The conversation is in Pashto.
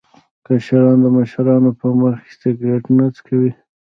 کشران د مشرانو په مخ کې سګرټ نه څکوي.